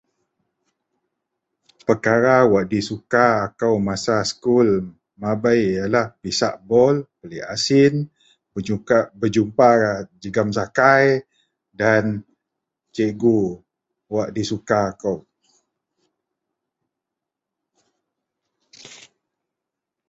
Pekara wak disuka kou masa sekul mabei yenlah pisak bol, pelik asin, bejukak, bejupa jegem sakai dan cikgu wak disuka akou.